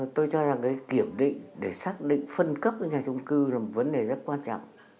tôi cho rằng đây kiểm định để xác định phân cấp cái nhà trung cư là một vấn đề rất quan trọng